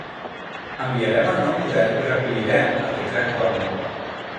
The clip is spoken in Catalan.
Enviarem el nou model i recollirem el que té actualment.